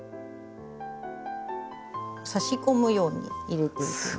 差し込むように入れていきます。